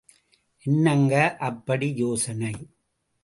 என்னங்க அப்படி யோசனை?